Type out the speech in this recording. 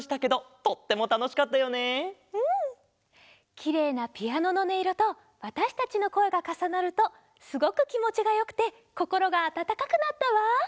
きれいなピアノのねいろとわたしたちのこえがかさなるとすごくきもちがよくてこころがあたたかくなったわ。